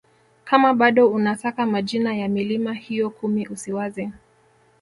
Kama bado unasaka majina ya milima hiyo kumi usiwaze